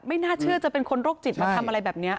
ไม่น่าเชื่อจะเป็นคนโรคจิตมาทำอะไรแบบนี้